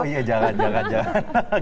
oh iya jangan jangan